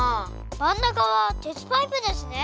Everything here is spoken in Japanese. まんなかはてつパイプですね。